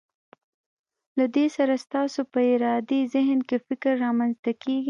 له دې سره ستاسو په ارادي ذهن کې فکر رامنځته کیږي.